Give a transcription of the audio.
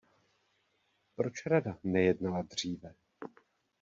Proč Rada nejednala dříve?